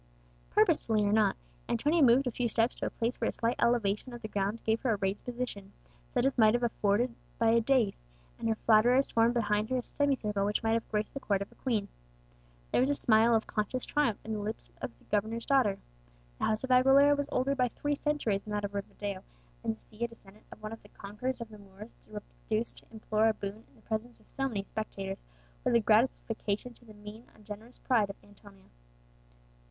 Purposely or not, Antonia moved a few steps to a place where a slight elevation of the ground gave her a raised position, such as might have been afforded by a dais, and her flatterers formed behind her a semicircle which might have graced the court of a queen. There was a smile of conscious triumph on the lips of the governor's daughter. The house of Aguilera was older by three centuries than that of Rivadeo, and to see a descendant of one of the conquerors of the Moors reduced to implore a boon in the presence of so many spectators was a gratification to the mean ungenerous pride of Antonia.